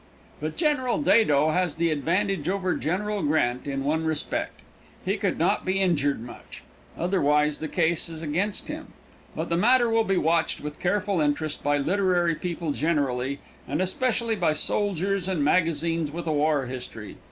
But General Dado has the advantage over General Grant in one respect. He can not be injured much. Otherwise the case is against him. But the matter will be watched with careful interest by literary people generally, and especially by soldiers and magazines with a war history.